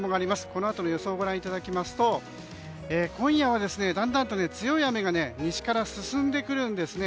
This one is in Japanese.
このあとの予想をご覧いただきますと今夜は、だんだんと強い雨が西から進んでくるんですね。